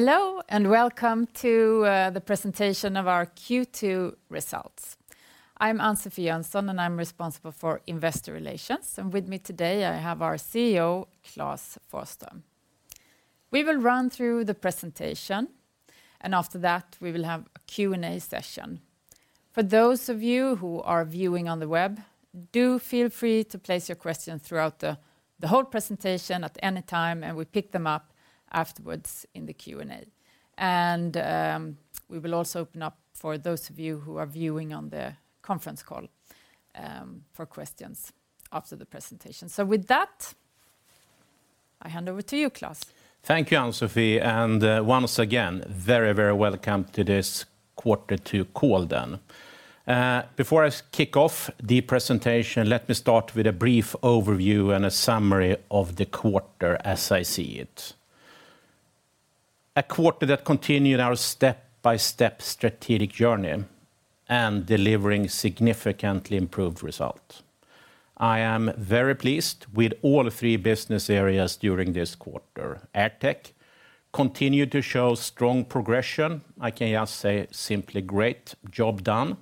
Hello, welcome to the presentation of our Q2 results. I'm Ann-Sofi Jönsson, and I'm responsible for investor relations, and with me today, I have our CEO, Klas Forsström. We will run through the presentation, and after that, we will have a Q&A session. For those of you who are viewing on the web, do feel free to place your question throughout the whole presentation at any time, and we pick them up afterwards in the Q&A. We will also open up for those of you who are viewing on the conference call for questions after the presentation. With that, I hand over to you, Klas. Thank you, Ann-Sofi, and once again, very, very welcome to this quarter two call then. Before I kick off the presentation, let me start with a brief overview and a summary of the quarter as I see it. A quarter that continued our step-by-step strategic journey, and delivering significantly improved result. I am very pleased with all three business areas during this quarter. AirTech continued to show strong progression. I can just say, simply great job done.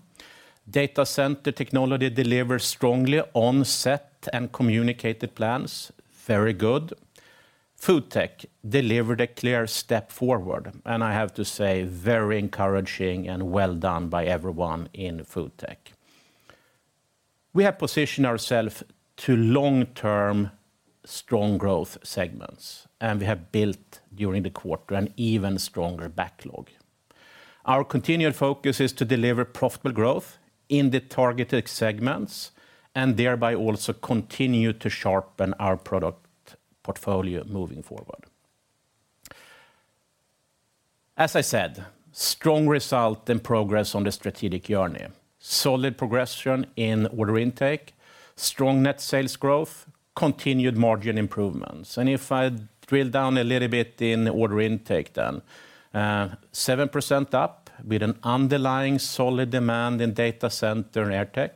Data Center Technology delivers strongly on set and communicated plans. Very good. FoodTech delivered a clear step forward, and I have to say, very encouraging and well done by everyone in FoodTech. We have positioned ourself to long-term, strong growth segments, and we have built, during the quarter, an even stronger backlog. Our continued focus is to deliver profitable growth in the targeted segments, and thereby also continue to sharpen our product portfolio moving forward. As I said, strong result and progress on the strategic journey, solid progression in order intake, strong net sales growth, continued margin improvements. If I drill down a little bit in order intake then, 7% up with an underlying solid demand in Data Center Technologies and AirTech.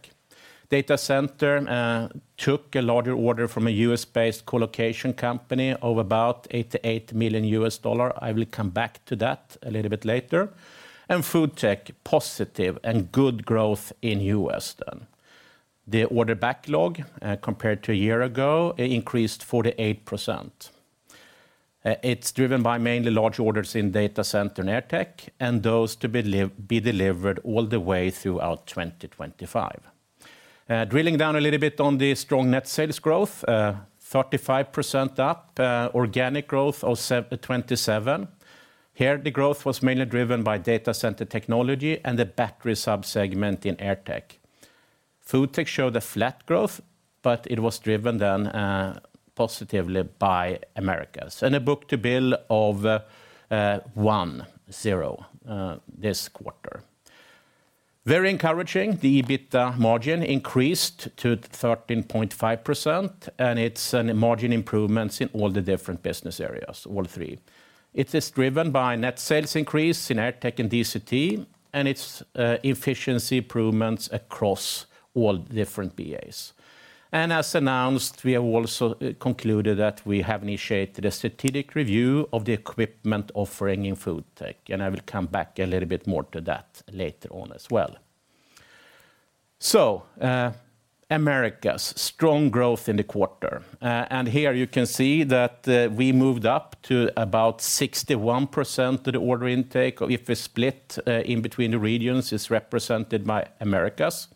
Data Center Technologies took a larger order from a U.S.-based colocation company of about $88 million. I will come back to that a little bit later. FoodTech, positive and good growth in U.S., then. The order backlog, compared to a year ago, increased 48%. It's driven by mainly large orders in Data Center Technologies and AirTech, and those to be delivered all the way throughout 2025. Drilling down a little bit on the strong net sales growth, 35% up, organic growth of 27%. Here, the growth was mainly driven by Data Center Technologies and the battery sub-segment in AirTech. FoodTech showed a flat growth, but it was driven then positively by Americas, and a book-to-bill of 1.0 this quarter. Very encouraging, the EBITDA margin increased to 13.5%, and it's an margin improvements in all the different business areas, all three. It is driven by net sales increase in AirTech and DCT, and it's efficiency improvements across all different BAs. As announced, we have also concluded that we have initiated a strategic review of the equipment offering in FoodTech, and I will come back a little bit more to that later on as well. Americas, strong growth in the quarter. Here you can see that we moved up to about 61% of the order intake. If we split in between the regions, it's represented by Americas.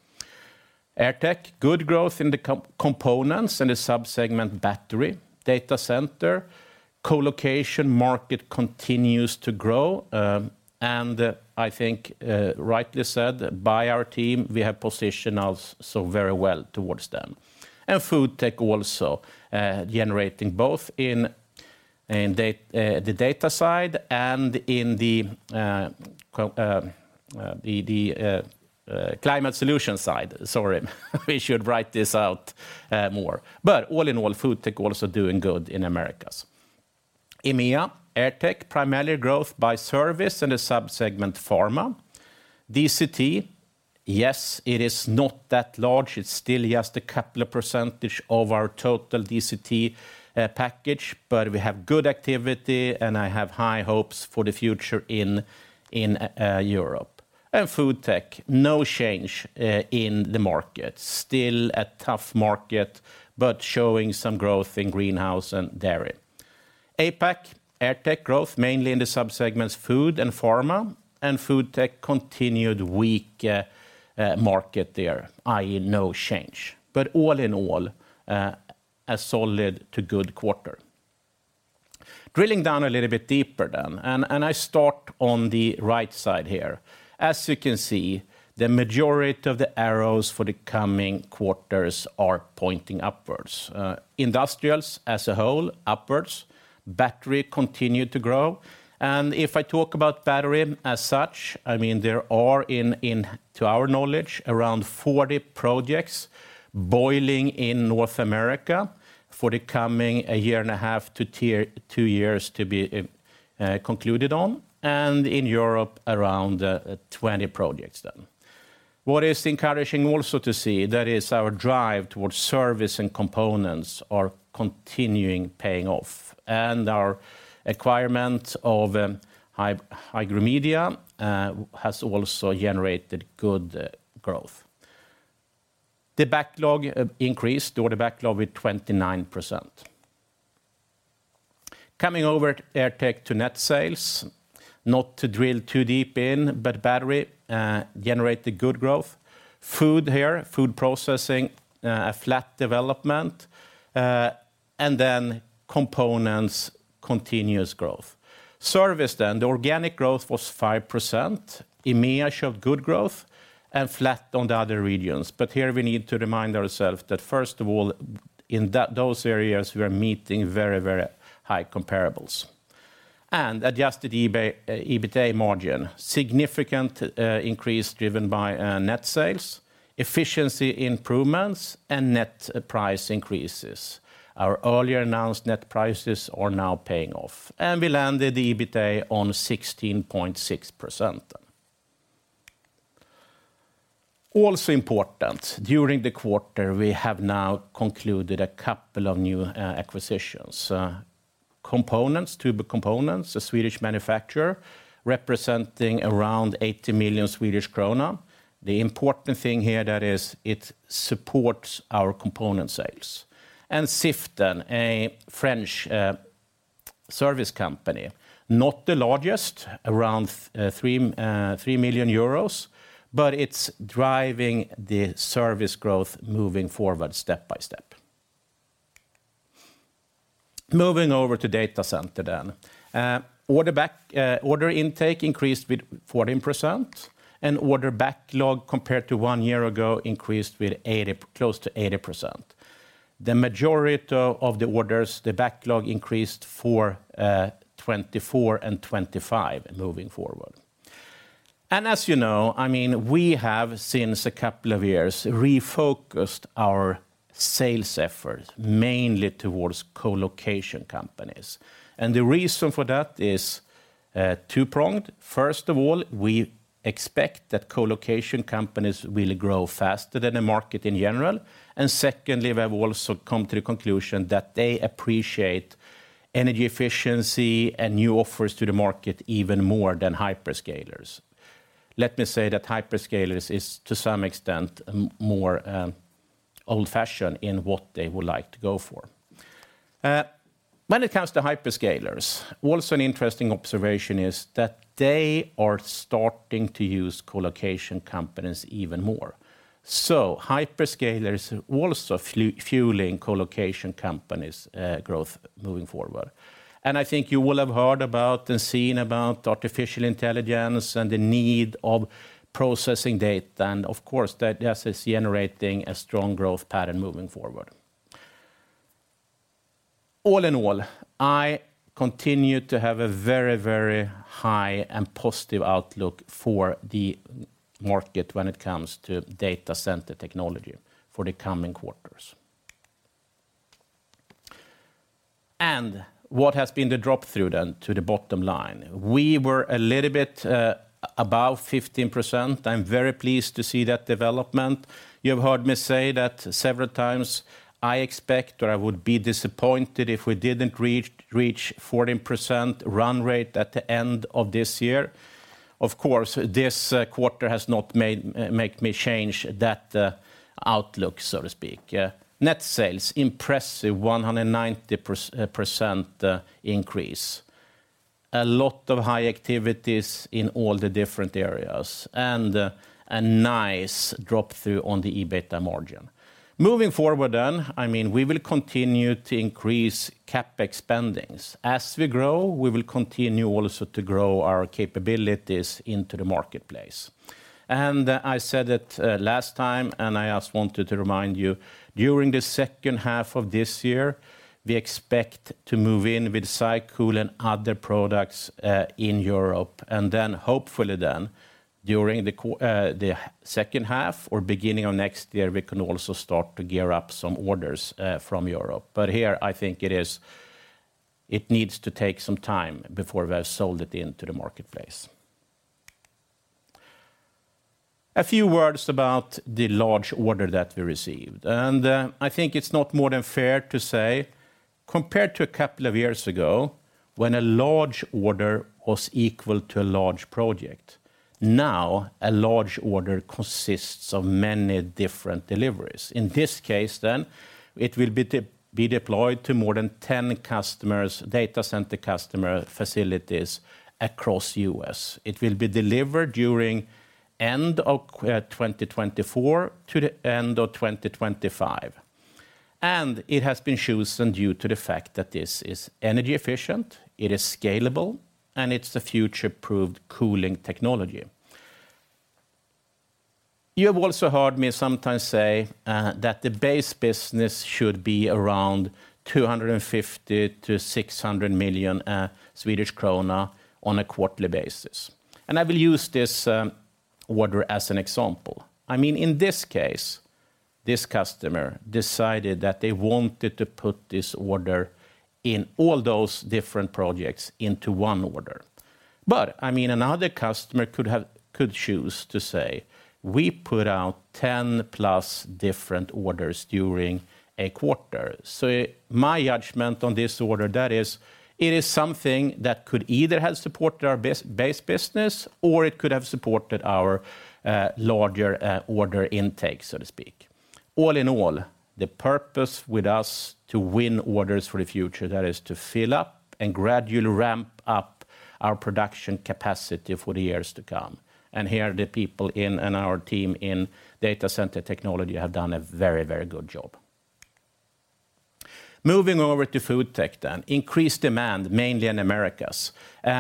AirTech, good growth in the components and the sub-segment battery. Data center, colocation market continues to grow, I think rightly said by our team, we have positioned ourself so very well towards them. FoodTech also generating both in the data side and in the climate solution side. Sorry, we should write this out more. All in all, FoodTech also doing good in Americas. EMEA, AirTech, primarily growth by service and a sub-segment pharma. DCT, yes, it is not that large. It's still just a couple of percentage of our total DCT package, but we have good activity, and I have high hopes for the future in Europe. FoodTech, no change in the market. Still a tough market, but showing some growth in greenhouse and dairy. APAC, AirTech growth, mainly in the sub-segments food and pharma, and FoodTech continued weak market there, i.e., no change. All in all, a solid to good quarter. Drilling down a little bit deeper then, I start on the right side here. As you can see, the majority of the arrows for the coming quarters are pointing upwards. Industrials, as a whole, upwards. Battery continued to grow. If I talk about battery as such, I mean, there are, to our knowledge, around 40 projects boiling in North America for the coming a year and a half to two years to be concluded on, and in Europe, around 20 projects. What is encouraging also to see, that is our drive towards service and components are continuing paying off, and our acquirement of Hygromedia has also generated good growth. The backlog increased, the order backlog with 29%. Coming over at AirTech to net sales, not to drill too deep in, but battery generated good growth. Food here, food processing, a flat development, components, continuous growth. Service, the organic growth was 5%. EMEA showed good growth and flat on the other regions. Here we need to remind ourselves that first of all, in those areas, we are meeting very, very high comparables. Adjusted EBITDA margin, significant increase driven by net sales, efficiency improvements, and net price increases. Our earlier announced net prices are now paying off. We landed the EBITDA on 16.6%. Also important, during the quarter, we have now concluded a couple of new acquisitions. Components, tube components, a Swedish manufacturer, representing around 80 million Swedish krona. The important thing here that is it supports our component sales. SIFT, a French service company, not the largest, around 3 million euros, it's driving the service growth moving forward step by step. Moving over to data center. Order intake increased with 14%, order backlog, compared to 1 year ago, increased with 80%, close to 80%. The majority of the orders, the backlog increased for 2024 and 2025 moving forward. As you know, I mean, we have, since a couple of years, refocused our sales efforts mainly towards colocation companies, the reason for that is two-pronged. First of all, we expect that colocation companies will grow faster than the market in general, secondly, we have also come to the conclusion that they appreciate energy efficiency and new offers to the market even more than hyperscalers. Let me say that hyperscalers is, to some extent, more old-fashioned in what they would like to go for. When it comes to hyperscalers, also an interesting observation is that they are starting to use colocation companies even more. hyperscalers are also fueling colocation companies, growth moving forward. I think you will have heard about and seen about artificial intelligence and the need of processing data, and of course, that, yes, is generating a strong growth pattern moving forward. All in all, I continue to have a very, very high and positive outlook for the market when it comes to Data Center Technologies for the coming quarters. What has been the drop-through then to the bottom line? We were a little bit above 15%. I'm very pleased to see that development. You have heard me say that several times, I expect, or I would be disappointed if we didn't reach 14% run rate at the end of this year. Of course, this quarter has not made me change that outlook, so to speak. Net sales, impressive 190% increase. A lot of high activities in all the different areas, and a nice drop-through on the EBITDA margin. Moving forward, I mean, we will continue to increase CapEx spendings. As we grow, we will continue also to grow our capabilities into the marketplace. I said it last time, and I just wanted to remind you, during the second half of this year, we expect to move in with SyCool and other products in Europe, and then hopefully then, during the second half or beginning of next year, we can also start to gear up some orders from Europe. Here, I think it needs to take some time before we have sold it into the marketplace. A few words about the large order that we received, I think it's not more than fair to say, compared to two years ago, when a large order was equal to a large project, now a large order consists of many different deliveries. In this case, it will be deployed to more than 10 customers, data center customer facilities across U.S. It will be delivered during end of 2024 to the end of 2025, it has been chosen due to the fact that this is energy efficient, it is scalable, and it's a future-approved cooling technology. You have also heard me sometimes say that the base business should be around 250 million-600 million Swedish krona on a quarterly basis. I will use this order as an example. I mean, in this case, this customer decided that they wanted to put this order in all those different projects into one order. I mean, another customer could choose to say, "We put out 10-plus different orders during a quarter." My judgment on this order, that is, it is something that could either have supported our base business, or it could have supported our larger order intake, so to speak. All in all, the purpose with us to win orders for the future, that is to fill up and gradually ramp up our production capacity for the years to come. Here, the people in, and our team in Data Center Technologies have done a very, very good job. Moving over to FoodTech, increased demand, mainly in Americas. Here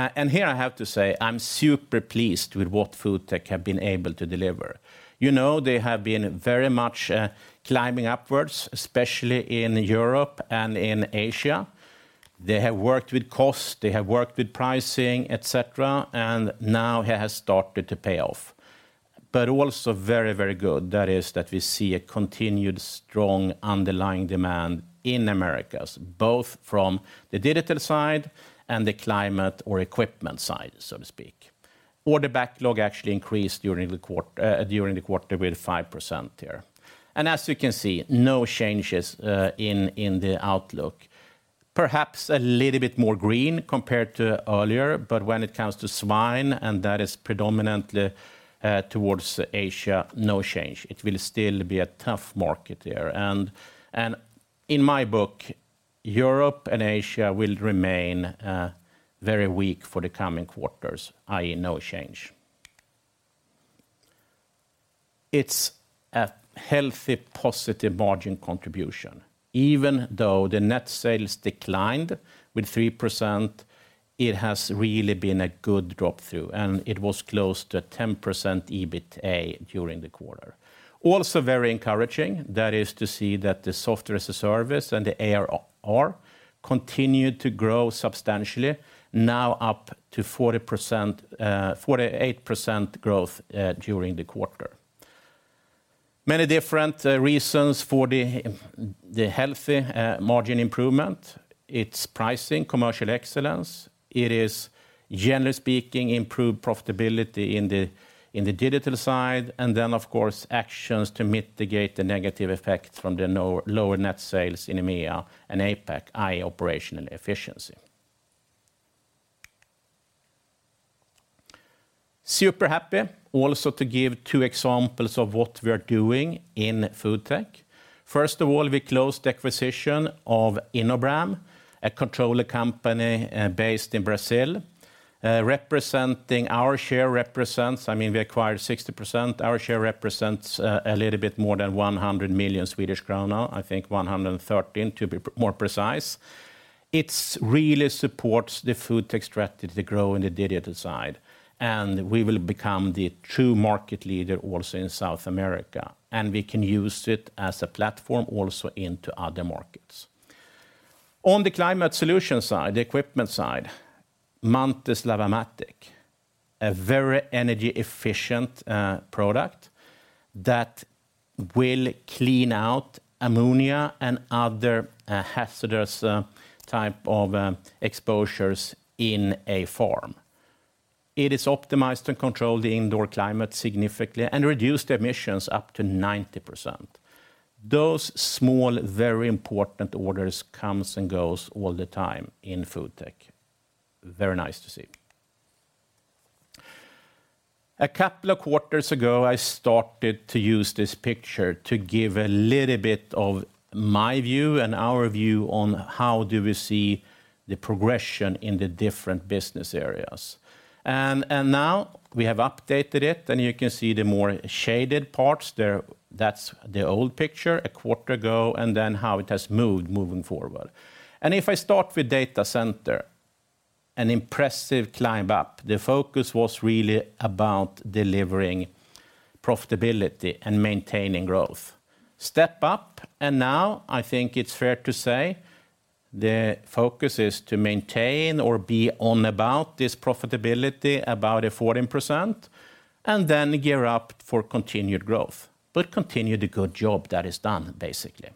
I have to say, I'm super pleased with what FoodTech have been able to deliver. You know, they have been very much climbing upwards, especially in Europe and in Asia. They have worked with cost, they have worked with pricing, et cetera, now it has started to pay off. Also very, very good, that is that we see a continued strong underlying demand in Americas, both from the digital side and the climate or equipment side, so to speak. Order backlog actually increased during the quarter with 5% there. As you can see, no changes in the outlook. Perhaps a little bit more green compared to earlier, but when it comes to swine, and that is predominantly towards Asia, no change. It will still be a tough market there. In my book, Europe and Asia will remain very weak for the coming quarters, i.e., no change. It's a healthy, positive margin contribution. Even though the net sales declined with 3%, it has really been a good drop-through, and it was close to 10% EBITA during the quarter. Very encouraging, that is to see that the software as a service and the ARR continued to grow substantially, now up to 40%, 48% growth during the quarter. Many different reasons for the healthy margin improvement. It's pricing, commercial excellence, it is, generally speaking, improved profitability in the digital side, of course, actions to mitigate the negative effects from lower net sales in EMEA and APAC, i.e., operational efficiency. Super happy also to give two examples of what we are doing in FoodTech. First of all, we closed the acquisition of InoBram, a controller company, based in Brazil, our share represents, I mean, we acquired 60%. Our share represents a little bit more than 100 million Swedish kronor, I think 113, to be more precise. It really supports the FoodTech strategy to grow in the digital side. We will become the true market leader also in South America. We can use it as a platform also into other markets. On the climate solution side, the equipment side, Munters LAVAMATIC, a very energy-efficient product that will clean out ammonia and other hazardous type of exposures in a farm. It is optimized to control the indoor climate significantly and reduce the emissions up to 90%. Those small, very important orders comes and goes all the time in FoodTech. Very nice to see. A couple of quarters ago, I started to use this picture to give a little bit of my view and our view on how do we see the progression in the different business areas. Now we have updated it, and you can see the more shaded parts there. That's the old picture, a quarter ago, and then how it has moved moving forward. If I start with data center, an impressive climb up. The focus was really about delivering profitability and maintaining growth. Step up. Now I think it's fair to say the focus is to maintain or be on about this profitability, about a 14%. Gear up for continued growth, but continue the good job that is done, basically.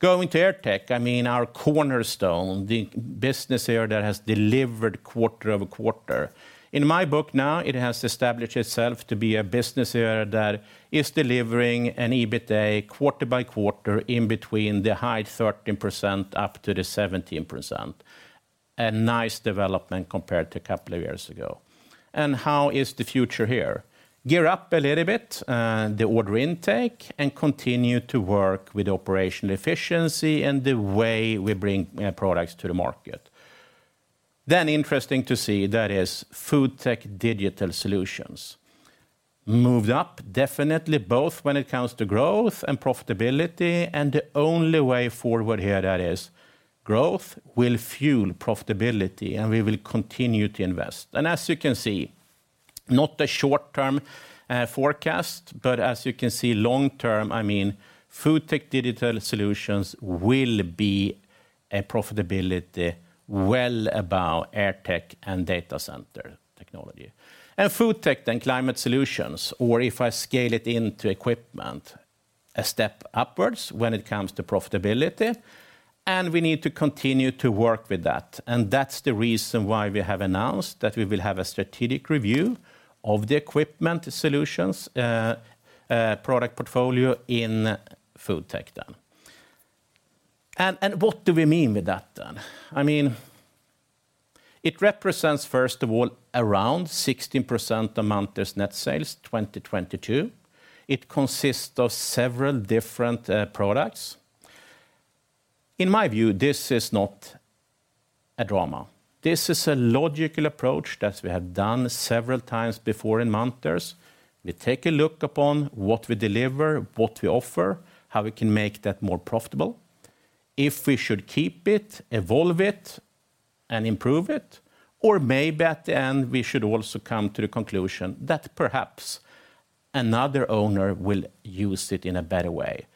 Going to AirTech, I mean, our cornerstone, the business area that has delivered quarter-over-quarter. In my book now, it has established itself to be a business area that is delivering an EBITA quarter by quarter in between the high 13% up to the 17%. A nice development compared to a couple of years ago. How is the future here? Gear up a little bit, the order intake, and continue to work with operational efficiency and the way we bring products to the market. Interesting to see, that is FoodTech Digital Solutions. Moved up, definitely, both when it comes to growth and profitability. The only way forward here, that is, growth will fuel profitability, and we will continue to invest. As you can see, not a short-term forecast, but as you can see, long term, I mean, FoodTech Digital Solutions will be a profitability well above AirTech and Data Center Technologies. FoodTech, then Climate Solutions, or if I scale it into equipment, a step upwards when it comes to profitability, and we need to continue to work with that. That's the reason why we have announced that we will have a strategic review of the equipment solutions product portfolio in FoodTech then. What do we mean with that then? I mean, it represents, first of all, around 16% of Munters' net sales, 2022. It consists of several different products. In my view, this is not a drama. This is a logical approach that we have done several times before in Munters. We take a look upon what we deliver, what we offer, how we can make that more profitable, if we should keep it, evolve it, and improve it, or maybe at the end, we should also come to the conclusion that perhaps another owner will use it in a better way.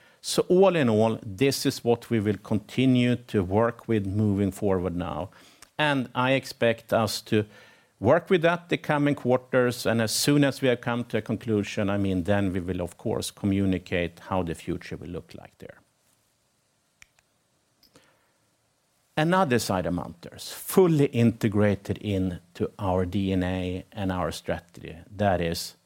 All in all, this is what we will continue to work with moving forward now, and I expect us to work with that the coming quarters, and as soon as we have come to a conclusion, I mean, then we will, of course, communicate how the future will look like there. Another side of Munters, fully integrated into our DNA and our strategy, that is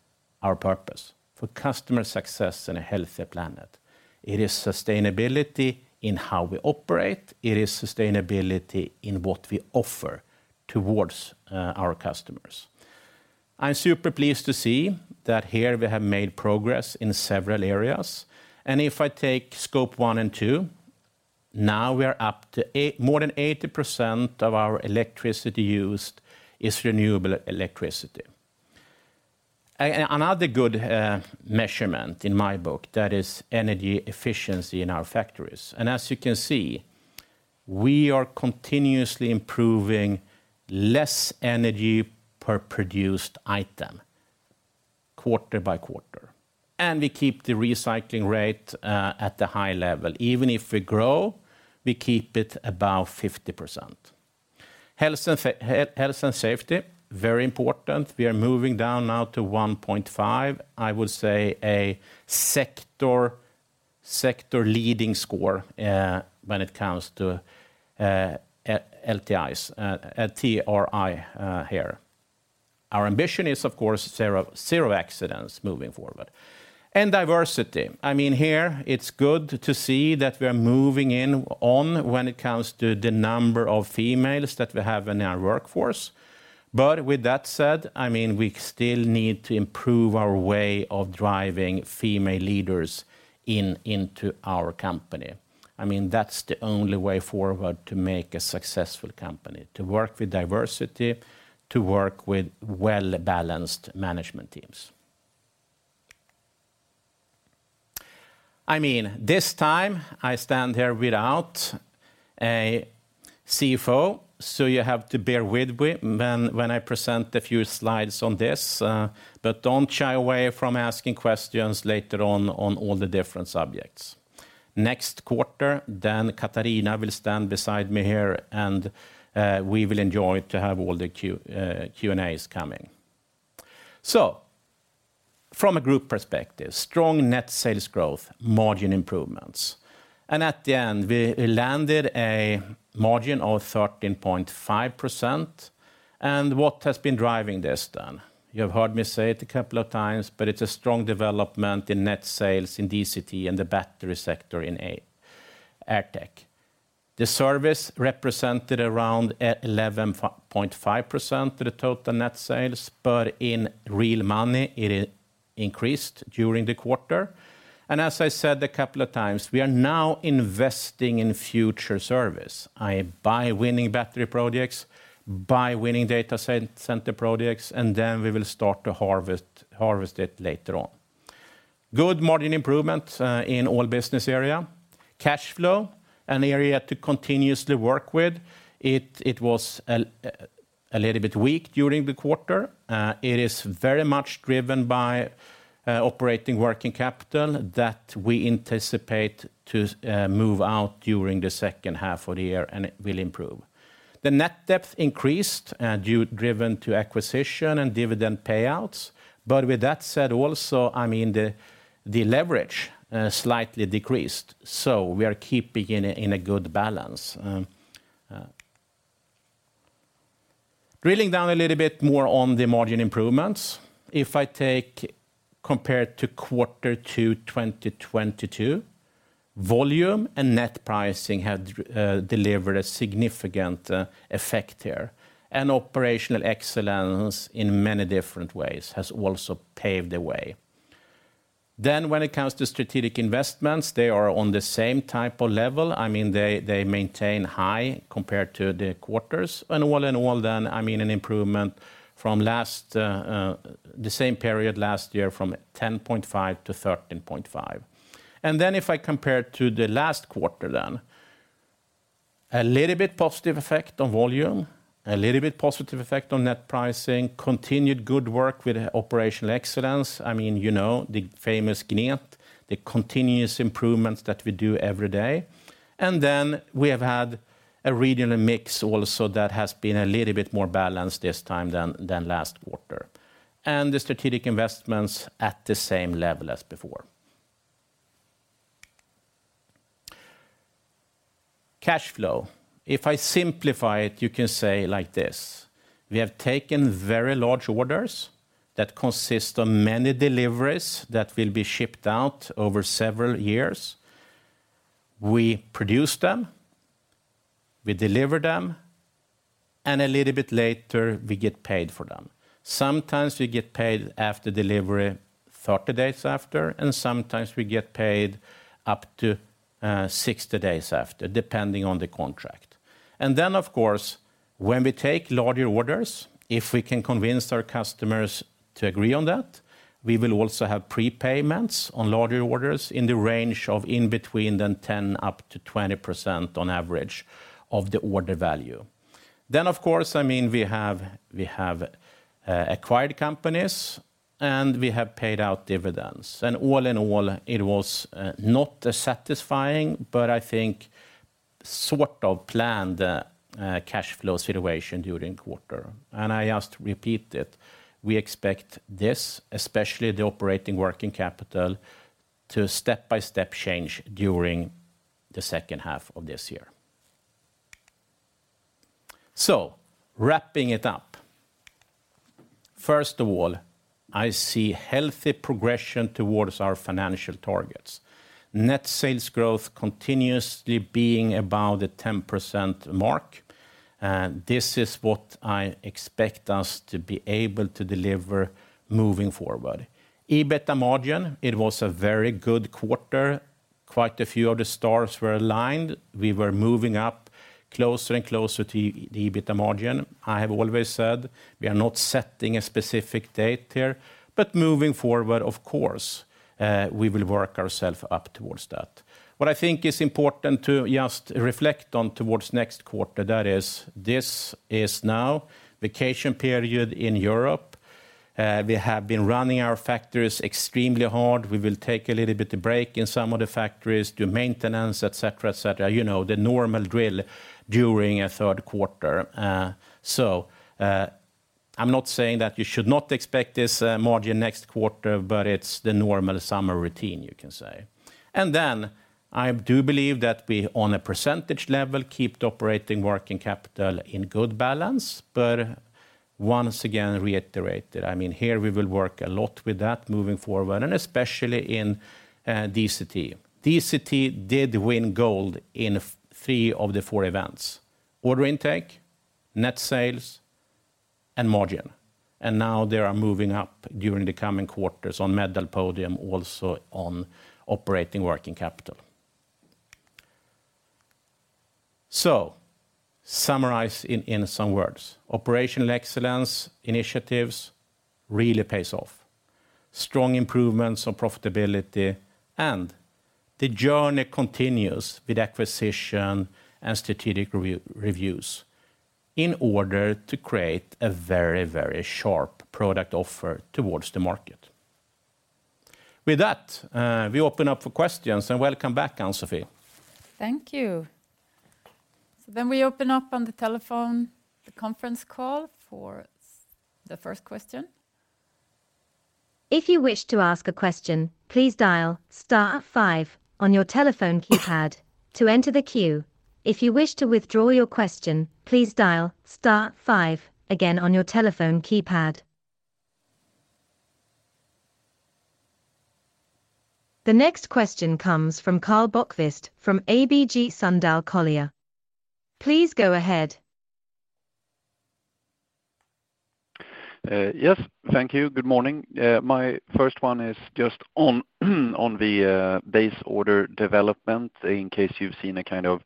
our purpose: for customer success and a healthier planet. It is sustainability in how we operate. It is sustainability in what we offer towards our customers. I'm super pleased to see that here we have made progress in several areas. If I take Scope 1 and 2, now we are up to more than 80% of our electricity used is renewable electricity. Another good measurement in my book, that is energy efficiency in our factories. As you can see, we are continuously improving less energy per produced item, quarter by quarter. We keep the recycling rate at the high level. Even if we grow, we keep it above 50%. Health and safety, very important. We are moving down now to 1.5, I would say, a sector leading score when it comes to LTIs, TRI here. Our ambition is, of course, zero accidents moving forward. Diversity, I mean, here, it's good to see that we are moving in on when it comes to the number of females that we have in our workforce. With that said, I mean, we still need to improve our way of driving female leaders into our company. I mean, that's the only way forward to make a successful company, to work with diversity, to work with well-balanced management teams. I mean, this time, I stand here without a CFO, you have to bear with me when I present a few slides on this, but don't shy away from asking questions later on all the different subjects. Next quarter, Katharina will stand beside me here, we will enjoy to have all the Q&As coming. From a group perspective, strong net sales growth, margin improvements, at the end, we landed a margin of 13.5%, what has been driving this then? You have heard me say it a couple of times, it's a strong development in net sales in DCT and the battery sector in AirTech. The service represented around 11.5% of the total net sales, in real money, it increased during the quarter. As I said a couple of times, we are now investing in future service. I buy winning battery projects, buy winning data center projects, we will start to harvest it later on. Good margin improvement in all business area. Cash flow, an area to continuously work with, it was a little bit weak during the quarter. It is very much driven by operating working capital that we anticipate to move out during the second half of the year, and it will improve. The net debt increased, and driven to acquisition and dividend payouts, but with that said, also, I mean, the leverage slightly decreased, so we are keeping in a good balance. Drilling down a little bit more on the margin improvements, if I take compared to Q2 2022, volume and net pricing had delivered a significant effect here, and operational excellence in many different ways has also paved the way. When it comes to strategic investments, they are on the same type of level. I mean, they maintain high compared to the quarters. All in all, then, I mean an improvement from last, the same period last year, from 10.5% to 13.5%. If I compare to the last quarter then, a little bit positive effect on net pricing, continued good work with operational excellence. I mean, you know, the famous Kaizen, the continuous improvements that we do every day. Then we have had a regional mix also that has been a little bit more balanced this time than last quarter, and the strategic investments at the same level as before. Cash flow. If I simplify it, you can say like this: We have taken very large orders that consist of many deliveries that will be shipped out over several years. We produce them, we deliver them, and a little bit later, we get paid for them. Sometimes we get paid after delivery, 30 days after, and sometimes we get paid up to 60 days after, depending on the contract. Then, of course, when we take larger orders, if we can convince our customers to agree on that, we will also have prepayments on larger orders in the range of in between the 10%-20% on average of the order value. Then, of course, I mean, we have acquired companies, and we have paid out dividends. All in all, it was not as satisfying, but I think sort of planned cash flow situation during quarter. I just repeat it, we expect this, especially the operating working capital, to step-by-step change during the second half of this year. Wrapping it up. First of all, I see healthy progression towards our financial targets. Net sales growth continuously being about the 10% mark, this is what I expect us to be able to deliver moving forward. EBITDA margin, it was a very good quarter. Quite a few of the stars were aligned. We were moving up closer and closer to the EBITDA margin. I have always said we are not setting a specific date here, but moving forward, of course, we will work ourself up towards that. What I think is important to just reflect on towards next quarter, that is, this is now vacation period in Europe. We have been running our factories extremely hard. We will take a little bit of break in some of the factories, do maintenance, et cetera, et cetera. You know, the normal drill during a third quarter. I'm not saying that you should not expect this margin next quarter, but it's the normal summer routine, you can say. I do believe that we, on a percentage level, keep the operating working capital in good balance, but once again, reiterated, I mean, here, we will work a lot with that moving forward, and especially in DCT. DCT did win gold in three of the four events: order intake, net sales, and margin. Now they are moving up during the coming quarters on medal podium, also on operating working capital. Summarize in some words, operational excellence, initiatives really pays off. Strong improvements on profitability, the journey continues with acquisition and strategic reviews in order to create a very, very sharp product offer towards the market. With that, we open up for questions, and welcome back, Ann-Sofi. Thank you. We open up on the telephone, the conference call for the first question. If you wish to ask a question, please dial star five on your telephone keypad to enter the queue. If you wish to withdraw your question, please dial star five again on your telephone keypad. The next question comes from Karl Bokvist from ABG Sundal Collier. Please go ahead. Yes, thank you. Good morning. My first one is just on the base order development, in case you've seen a kind of,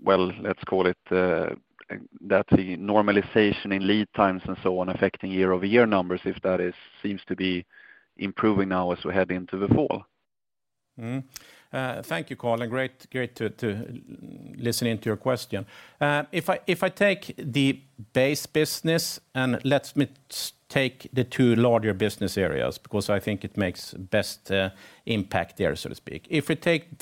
well, let's call it, that the normalization in lead times and so on affecting year-over-year numbers, if that is, seems to be improving now as we head into the fall. Thank you, Karl, great to listening to your question. If I take the base business, let me take the two larger business areas, because I think it makes best impact there, so to speak. If we take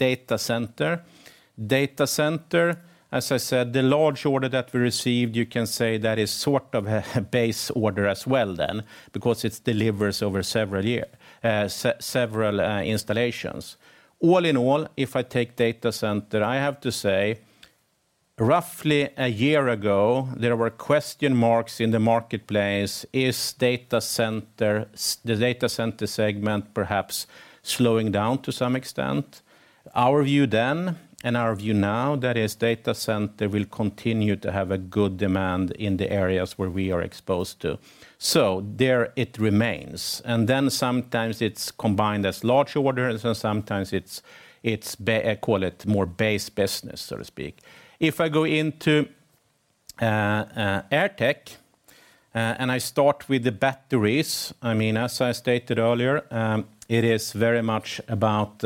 Data Center, as I said, the large order that we received, you can say that is sort of a base order as well then, because it delivers over several year, several installations. All in all, if I take Data Center, I have to say, roughly a year ago, there were question marks in the marketplace: Is Data Center the Data Center segment perhaps slowing down to some extent? Our view then, our view now, that is Data Center will continue to have a good demand in the areas where we are exposed to. There it remains, and then sometimes it's combined as large orders, and sometimes it's, I call it more base business, so to speak. If I go into AirTech, and I start with the batteries, I mean, as I stated earlier, it is very much about,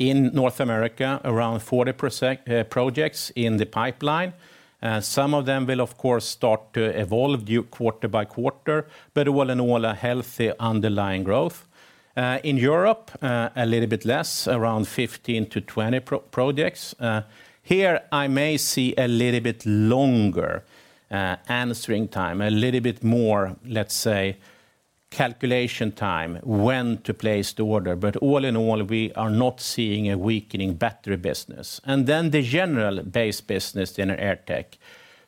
in North America, around 40% projects in the pipeline. Some of them will, of course, start to evolve due quarter by quarter, but all in all, a healthy underlying growth. In Europe, a little bit less, around 15-20 projects. Here, I may see a little bit longer, answering time, a little bit more, let's say, calculation time, when to place the order. All in all, we are not seeing a weakening battery business. Then the general base business in AirTech.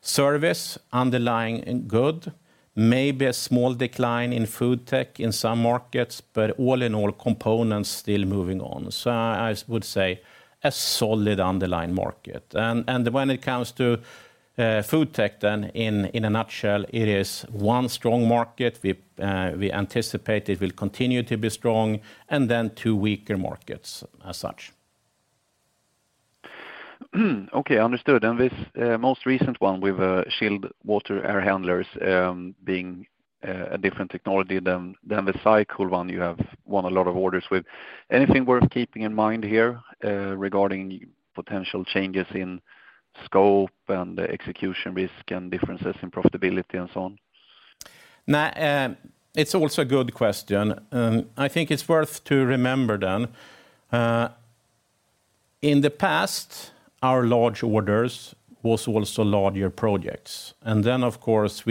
Service underlying in good, maybe a small decline in FoodTech in some markets, but all in all, components still moving on. I would say a solid underlying market. When it comes to FoodTech, then in a nutshell, it is one strong market. We anticipate it will continue to be strong, and then two weaker markets as such. Okay, understood. This, most recent one with, chilled water air handlers, being, a different technology than the SyCool one you have won a lot of orders with. Anything worth keeping in mind here, regarding potential changes in scope and execution risk and differences in profitability and so on? Nah, it's also a good question. I think it's worth to remember then, in the past, our large orders was also larger projects. Of course,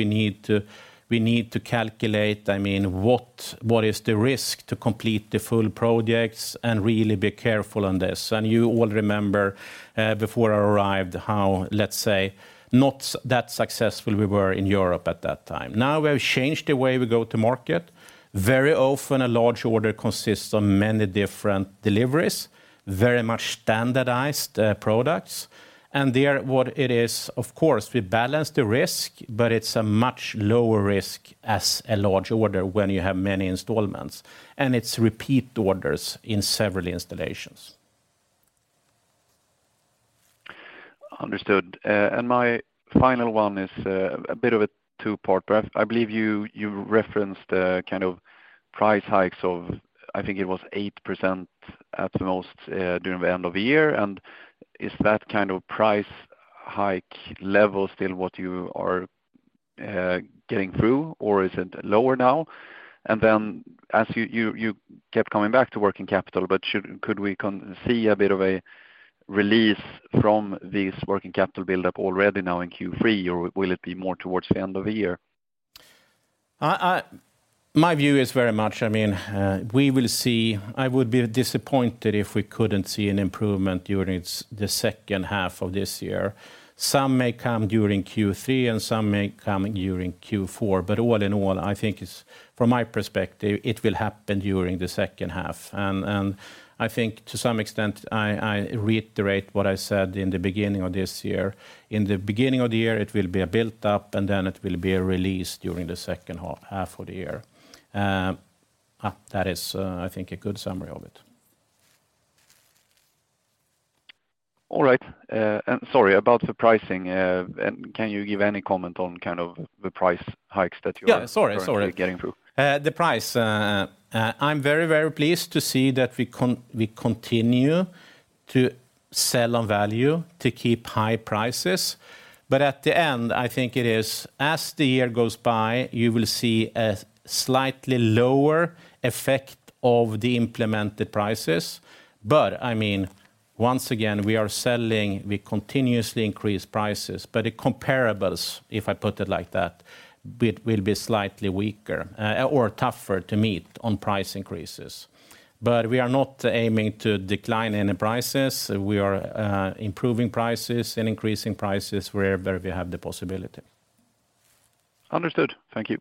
we need to calculate, I mean, what is the risk to complete the full projects and really be careful on this. You all remember, before I arrived, how, let's say, not that successful we were in Europe at that time. Now, we have changed the way we go to market. Very often, a large order consists of many different deliveries, very much standardized products. There, what it is, of course, we balance the risk, but it's a much lower risk as a large order when you have many installments, and it's repeat orders in several installations. Understood. My final one is a bit of a two-part, but I believe you referenced kind of price hikes of, I think it was 8% at the most during the end of the year. Is that kind of price hike level still what you are getting through, or is it lower now? Then as you kept coming back to working capital, but could we see a bit of a release from this working capital build-up already now in Q3, or will it be more towards the end of the year? My view is very much, I mean, we will see, I would be disappointed if we couldn't see an improvement during the second half of this year. Some may come during Q3, and some may come during Q4. All in all, I think it's, from my perspective, it will happen during the second half. I think to some extent, I reiterate what I said in the beginning of this year. In the beginning of the year, it will be a built up, and then it will be a release during the second half of the year. That is, I think, a good summary of it. All right. Sorry, about the pricing, can you give any comment on kind of the price hikes that? Yeah, sorry. currently getting through? The price. I'm very pleased to see that we continue to sell on value to keep high prices. At the end, I think it is as the year goes by, you will see a slightly lower effect of the implemented prices. I mean, once again, we are selling, we continuously increase prices, but the comparables, if I put it like that, it will be slightly weaker or tougher to meet on price increases. We are not aiming to decline any prices. We are improving prices and increasing prices wherever we have the possibility. Understood. Thank you.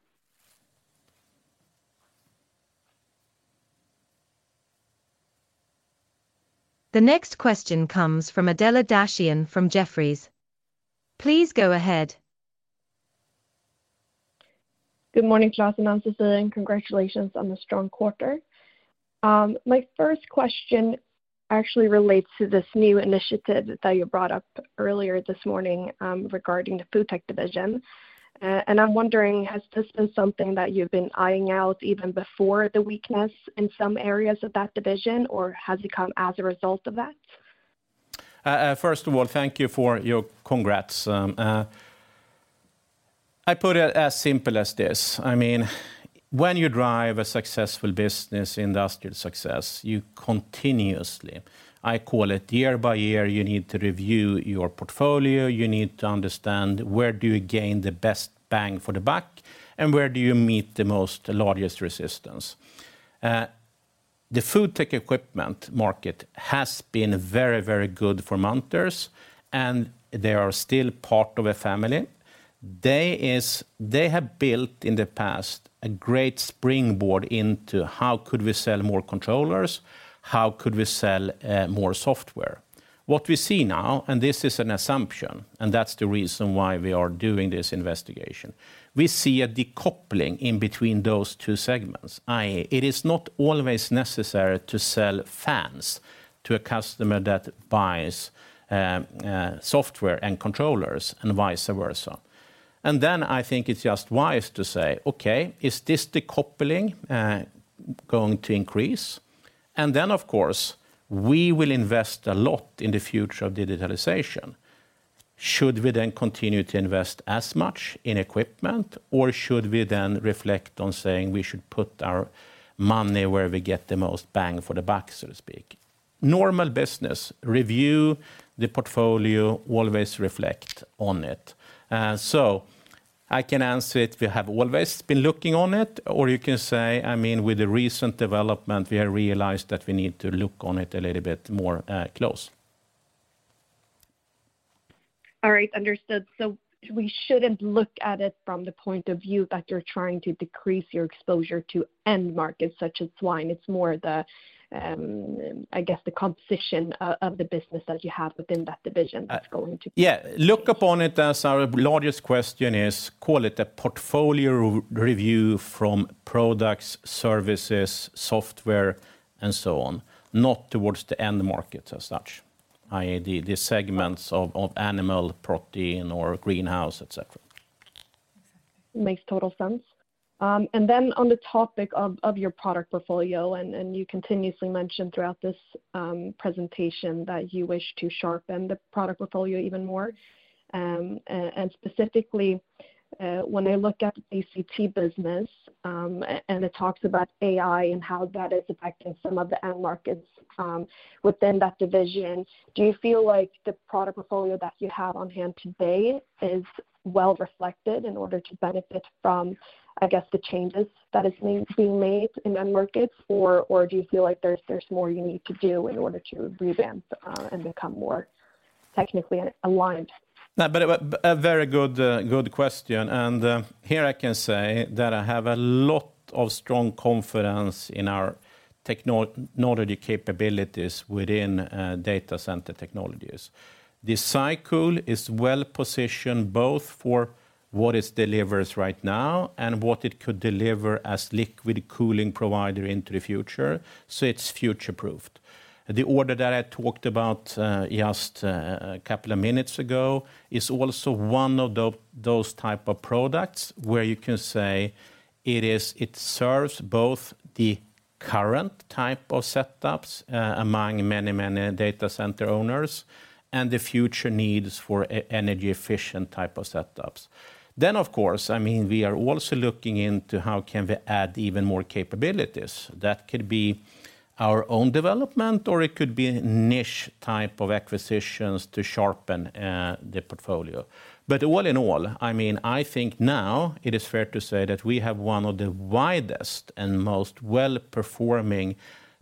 The next question comes from Adela Dashian from Jefferies. Please go ahead. Good morning, Klas and Sofi, and congratulations on the strong quarter. My first question actually relates to this new initiative that you brought up earlier this morning, regarding the FoodTech division. I'm wondering, has this been something that you've been eyeing out even before the weakness in some areas of that division, or has it come as a result of that? First of all, thank you for your congrats. I put it as simple as this: I mean, when you drive a successful business, industrial success, you continuously, I call it year by year, you need to review your portfolio, you need to understand where do you gain the best bang for the buck, and where do you meet the most largest resistance. The FoodTech equipment market has been very, very good for Munters, and they are still part of a family. They have built, in the past, a great springboard into how could we sell more controllers, how could we sell more software. What we see now, this is an assumption, and that's the reason why we are doing this investigation, we see a decoupling in between those two segments, i.e., it is not always necessary to sell fans to a customer that buys software and controllers and vice versa. I think it's just wise to say, okay, is this decoupling going to increase? Of course, we will invest a lot in the future of digitalization. Should we then continue to invest as much in equipment, or should we then reflect on saying we should put our money where we get the most bang for the buck, so to speak? Normal business, review the portfolio, always reflect on it. I can answer it, we have always been looking on it, or you can say, I mean, with the recent development, we have realized that we need to look on it a little bit more, close. All right, understood. We shouldn't look at it from the point of view that you're trying to decrease your exposure to end markets such as swine. It's more the, I guess, the composition of the business that you have within that division. Yeah. Look upon it as our largest question is, call it a portfolio re- review from products, services, software, and so on, not towards the end market as such, i.e., the segments of animal protein or greenhouse, et cetera. Makes total sense. Then on the topic of your product portfolio, and you continuously mentioned throughout this presentation that you wish to sharpen the product portfolio even more. Specifically, when I look at DCT business, and it talks about AI and how that is affecting some of the end markets within that division, do you feel like the product portfolio that you have on hand today is well reflected in order to benefit from, I guess, the changes that is being made in end markets? Or do you feel like there's more you need to do in order to revamp and become more technically aligned? No, but a very good question. Here I can say that I have a lot of strong confidence in our technology capabilities within Data Center Technologies. The SyCool is well-positioned, both for what it delivers right now and what it could deliver as liquid cooling provider into the future, so it's future-proofed. The order that I talked about just a couple of minutes ago, is also one of those type of products where you can say it serves both the current type of setups among many data center owners, and the future needs for energy efficient type of setups. Of course, I mean, we are also looking into how can we add even more capabilities. That could be our own development, or it could be niche type of acquisitions to sharpen the portfolio. All in all, I mean, I think now it is fair to say that we have one of the widest and most well-performing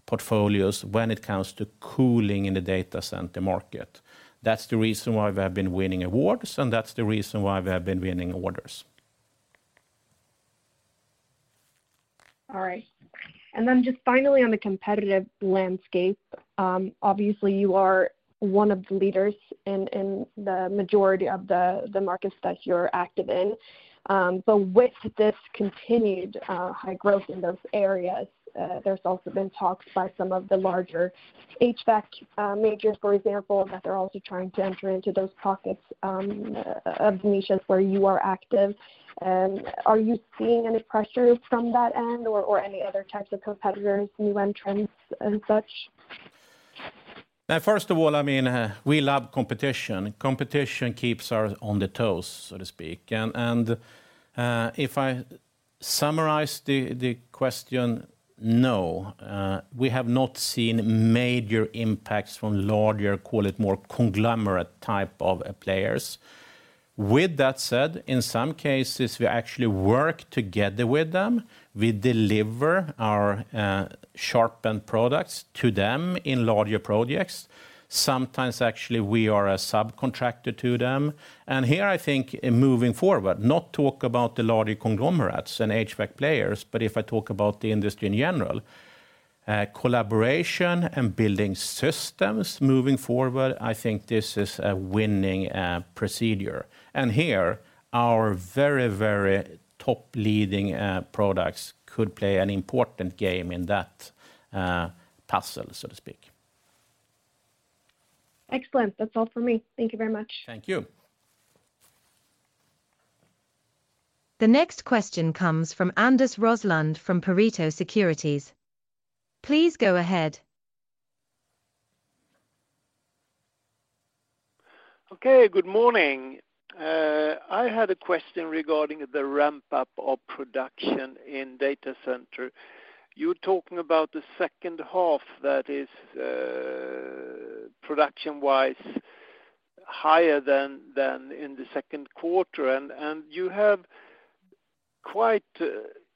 portfolios when it comes to cooling in the data center market. That's the reason why we have been winning awards, and that's the reason why we have been winning orders. All right. Just finally on the competitive landscape, obviously, you are one of the leaders in the majority of the markets that you're active in. With this continued, high growth in those areas, there's also been talks by some of the larger HVAC majors, for example, that they're also trying to enter into those pockets of niches where you are active. Are you seeing any pressure from that end or any other types of competitors, new entrants and such? Now, first of all, I mean, we love competition. Competition keeps us on the toes, so to speak. If I summarize the question, no, we have not seen major impacts from larger, call it more conglomerate type of players. With that said, in some cases, we actually work together with them. We deliver our sharpened products to them in larger projects. Sometimes, actually, we are a subcontractor to them. Here, I think, in moving forward, not talk about the larger conglomerates and HVAC players, but if I talk about the industry in general, collaboration and building systems moving forward, I think this is a winning procedure. Here, our very, very top leading products could play an important game in that puzzle, so to speak. Excellent. That's all for me. Thank you very much. Thank you. The next question comes from Anders Roslund from Pareto Securities. Please go ahead. I had a question regarding the ramp-up of production in data center. You're talking about the second half that is, production-wise, higher than in the second quarter, and you have quite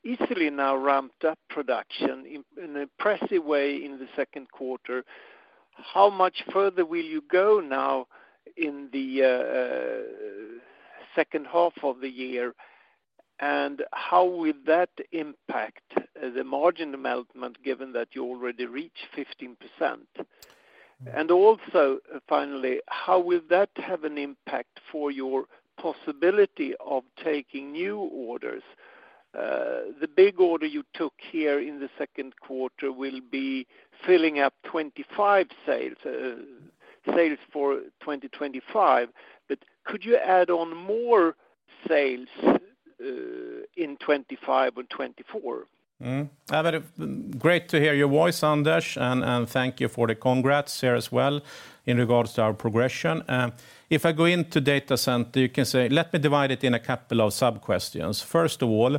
easily now ramped up production in an impressive way in the second quarter. How much further will you go now in the second half of the year, and how will that impact the margin development, given that you already reached 15%? Also, finally, how will that have an impact for your possibility of taking new orders? The big order you took here in the second quarter will be filling up 25 sales for 2025, could you add on more sales in 2025 and 2024? Great to hear your voice, Anders, and thank you for the congrats here as well in regards to our progression. If I go into data center, you can say, let me divide it in a couple of sub-questions. First of all,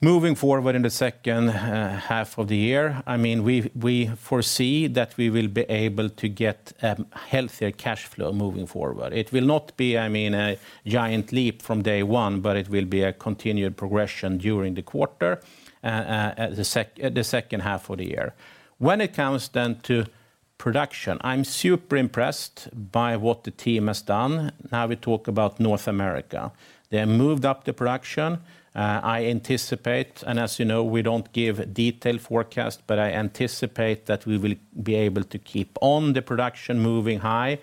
moving forward in the second half of the year, I mean, we foresee that we will be able to get healthier cash flow moving forward. It will not be, I mean, a giant leap from day one, but it will be a continued progression during the quarter at the second half of the year. When it comes to production, I'm super impressed by what the team has done. We talk about North America. They moved up the production. I anticipate, and as you know, we don't give detailed forecast, but I anticipate that we will be able to keep on the production moving high.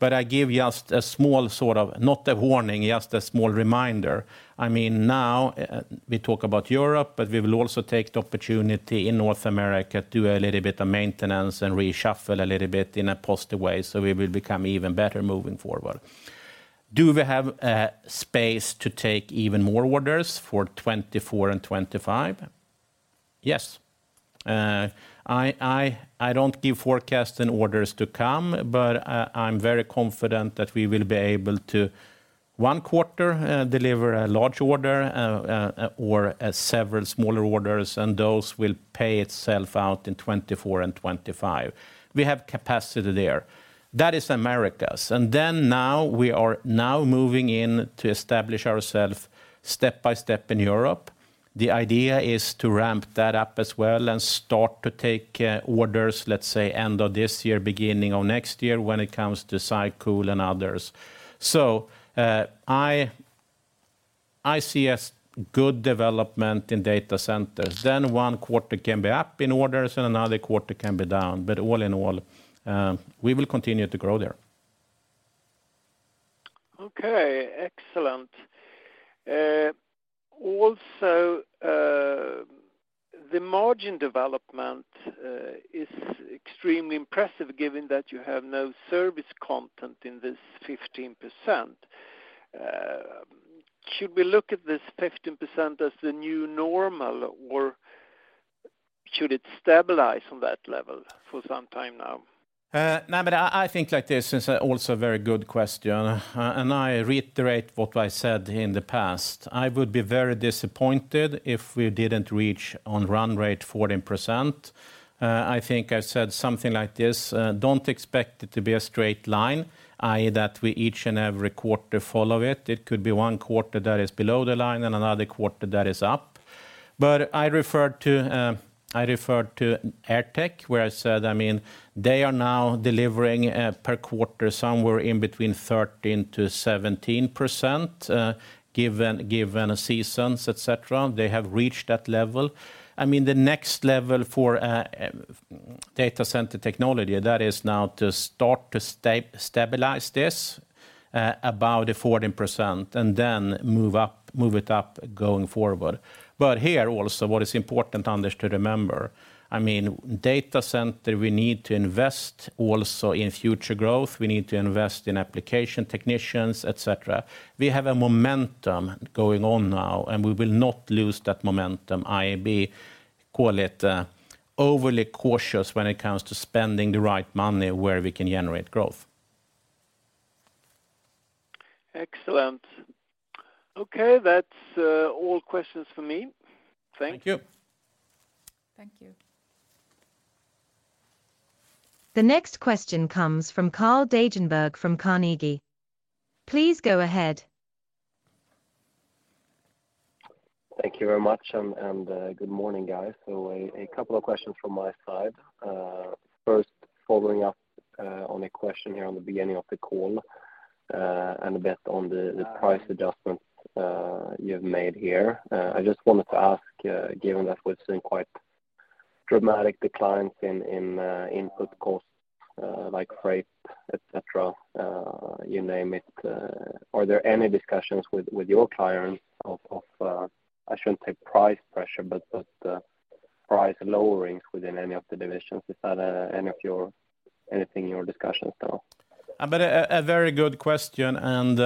I give just a small sort of, not a warning, just a small reminder. I mean, now, we talk about Europe, but we will also take the opportunity in North America, do a little bit of maintenance and reshuffle a little bit in a positive way, so we will become even better moving forward. Do we have space to take even more orders for 24 and 25? Yes. I don't give forecast in orders to come, but I'm very confident that we will be able to, one quarter, deliver a large order, or several smaller orders, and those will pay itself out in 24 and 25. We have capacity there. That is Americas. Now we are now moving in to establish ourselves step-by-step in Europe. The idea is to ramp that up as well and start to take orders, let's say, end of this year, beginning of next year, when it comes to SyCool and others. I see a good development in data centers. One quarter can be up in orders and another quarter can be down, but all in all, we will continue to grow there. Okay, excellent. Also, the margin development is extremely impressive, given that you have no service content in this 15%. Should we look at this 15% as the new normal, or should it stabilize on that level for some time now? I think like this, it's also a very good question. I reiterate what I said in the past. I would be very disappointed if we didn't reach on run rate 14%. I think I said something like this, "Don't expect it to be a straight line," i.e., that we each and every quarter follow it. It could be one quarter that is below the line and another quarter that is up. I referred to, I referred to AirTech, where I said, I mean, they are now delivering per quarter, somewhere in between 13%-17%, given seasons, et cetera. They have reached that level. I mean, the next level for Data Center Technologies, that is now to start to stabilize this, about a 14% and then move it up going forward. Here also, what is important, Anders, to remember, I mean, data center, we need to invest also in future growth. We need to invest in application technicians, et cetera. We have a momentum going on now, and we will not lose that momentum, i.e., call it overly cautious when it comes to spending the right money where we can generate growth. Excellent. Okay, that's all questions for me. Thank you. Thank you. Thank you. The next question comes from Carl Deijenberg from Carnegie. Please go ahead. Thank you very much, and good morning, guys. A couple of questions from my side. First, following up on a question here on the beginning of the call, and a bit on the price adjustments you've made here. I just wanted to ask, given that we've seen quite dramatic declines in input costs, like freight, et cetera, you name it, are there any discussions with your clients of, I shouldn't say price pressure, but price lowerings within any of the divisions? Is that any of your... anything in your discussions now? A very good question, and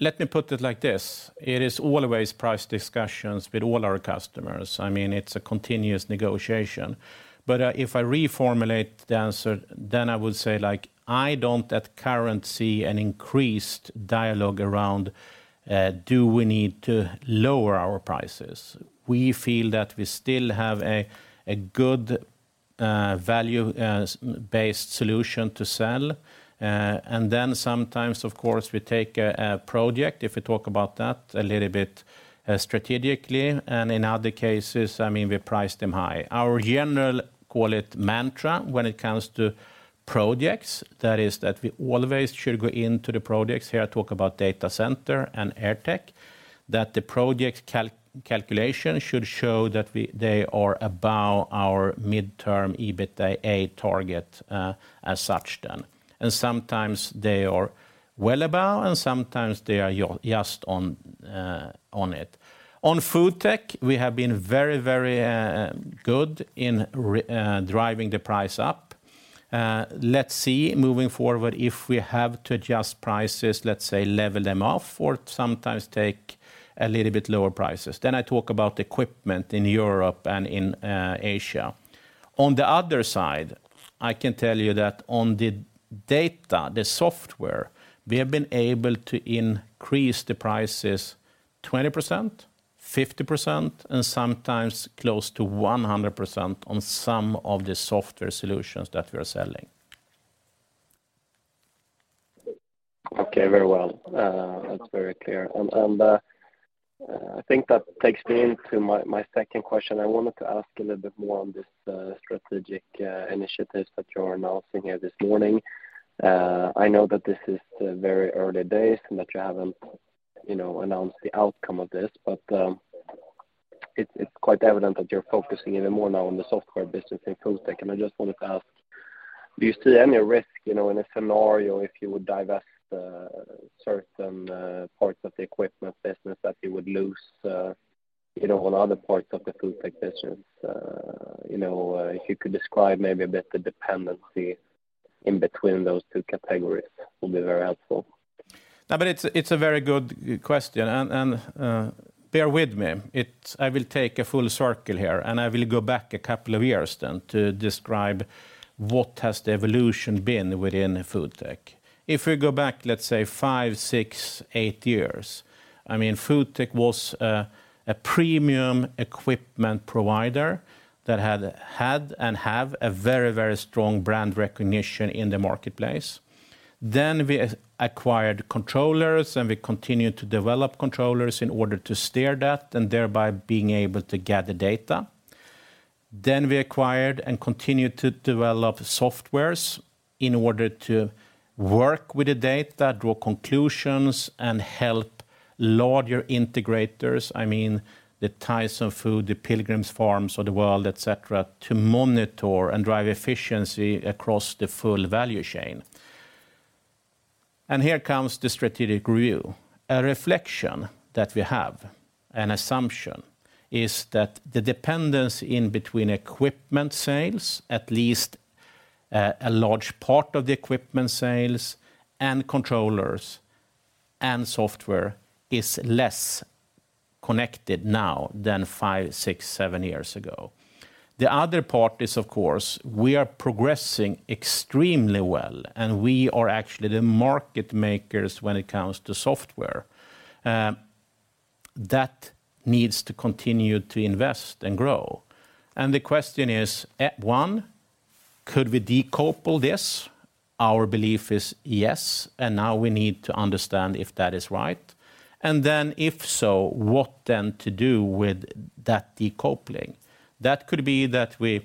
let me put it like this: It is always price discussions with all our customers. I mean, it's a continuous negotiation. If I reformulate the answer, then I would say, like, I don't at current see an increased dialogue around, do we need to lower our prices? We feel that we still have a good value-based solution to sell. Sometimes, of course, we take a project, if we talk about that a little bit strategically, and in other cases, I mean, we price them high. Our general, call it mantra, when it comes to projects, that is that we always should go into the projects. Here, I talk about data center and AirTech, that the project calculation should show that they are about our midterm EBITDA target as such then. Sometimes they are well above, and sometimes they are just on it. On FoodTech, we have been very good in driving the price up. Let's see, moving forward, if we have to adjust prices, let's say level them off or sometimes take a little bit lower prices. I talk about equipment in Europe and in Asia. On the other side, I can tell you that on the data, the software, we have been able to increase the prices 20%, 50%, and sometimes close to 100% on some of the software solutions that we are selling. Okay, very well. That's very clear. I think that takes me into my second question. I wanted to ask a little bit more on this strategic initiatives that you're announcing here this morning. I know that this is the very early days, and that you haven't, you know, announced the outcome of this, but it's quite evident that you're focusing even more now on the software business in FoodTech. I just wanted to ask, do you see any risk, you know, in a scenario if you would divest certain parts of the equipment business that you would lose, you know, on other parts of the FoodTech business? You know, if you could describe maybe a bit the dependency in between those two categories, will be very helpful. It's a, it's a very good question, and, bear with me. I will take a full circle here, and I will go back a couple of years to describe what has the evolution been within FoodTech. If we go back, let's say, five, six, eight years, I mean, FoodTech was a premium equipment provider that had had and have a very, very strong brand recognition in the marketplace. We acquired controllers, and we continued to develop controllers in order to steer that and thereby being able to gather data. We acquired and continued to develop softwares in order to work with the data, draw conclusions, and help larger integrators, I mean, the types of food, the Pilgrim's Pride of the world, et cetera, to monitor and drive efficiency across the full value chain. Here comes the strategic review. A reflection that we have, an assumption, is that the dependence in between equipment sales, at least, a large part of the equipment sales, and controllers, and software is less connected now than 5, 6, 7 years ago. The other part is, of course, we are progressing extremely well, and we are actually the market makers when it comes to software. That needs to continue to invest and grow. The question is, one, could we decouple this? Our belief is yes, and now we need to understand if that is right. If so, what then to do with that decoupling? That could be that we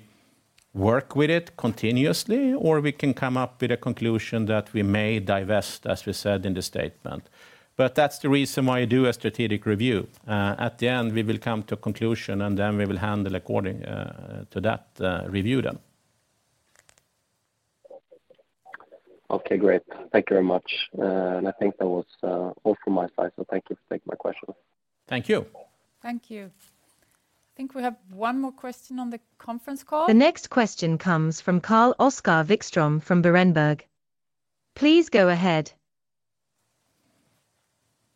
work with it continuously, or we can come up with a conclusion that we may divest, as we said in the statement. That's the reason why you do a strategic review. At the end, we will come to a conclusion, and then we will handle according to that review then. Okay, great. Thank you very much. I think that was all from my side, thank you for taking my questions. Thank you. Thank you. I think we have one more question on the conference call. The next question comes from Karl-Oskar Vikström from Berenberg. Please go ahead.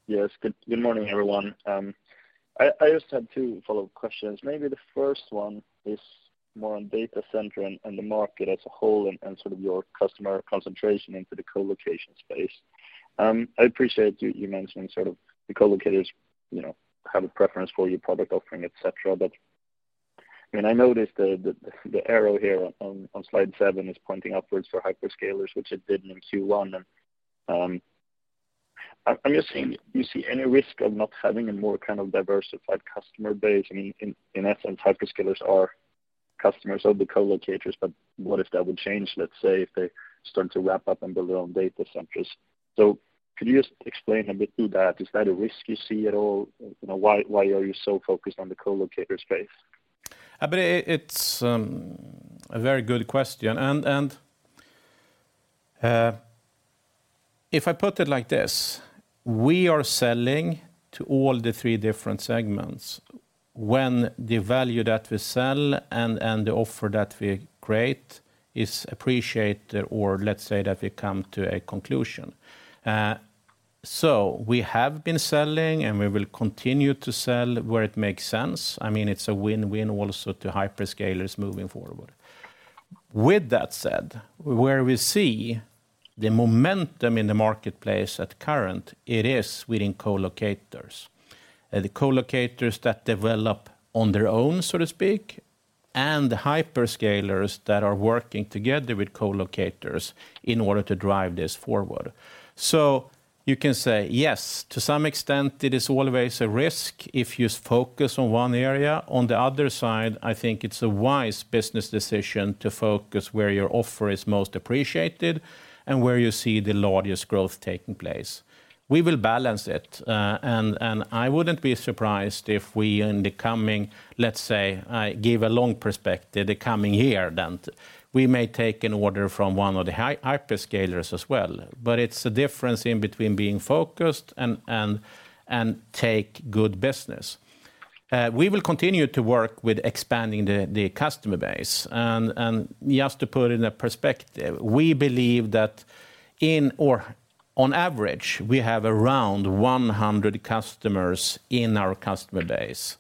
Yes, good morning, everyone. I just had two follow-up questions. Maybe the first one is more on data center and the market as a whole and sort of your customer concentration into the colocation space. I appreciate you mentioning sort of the colocators, you know, have a preference for your product offering, et cetera. I mean, I noticed the arrow here on slide seven is pointing upwards for hyperscalers, which it didn't in Q1. I'm just seeing, you see any risk of not having a more kind of diversified customer base? I mean, in essence, hyperscalers are customers of the colocators, but what if that would change, let's say, if they start to wrap up and build their own data centers? Could you just explain a bit through that? Is that a risk you see at all? You know, why are you so focused on the co-locator space? I believe it's a very good question, and if I put it like this, we are selling to all the three different segments. When the value that we sell and the offer that we create is appreciated, or let's say that we come to a conclusion. We have been selling, and we will continue to sell where it makes sense. I mean, it's a win-win also to hyperscalers moving forward. With that said, where we see the momentum in the marketplace at current, it is within co-locators. The co-locators that develop on their own, so to speak, and the hyperscalers that are working together with co-locators in order to drive this forward. You can say, yes, to some extent, it is always a risk if you focus on one area. On the other side, I think it's a wise business decision to focus where your offer is most appreciated and where you see the largest growth taking place. We will balance it, and I wouldn't be surprised if we, in the coming, let's say, I give a long perspective, the coming year, then we may take an order from one of the hyperscalers as well. It's a difference in between being focused and take good business. We will continue to work with expanding the customer base. Just to put it in a perspective, we believe that in or on average, we have around 100 customers in our customer base.